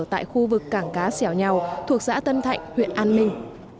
tại khu vực cảng cá xẻo nhau thuộc xã tân thạnh huyện an minh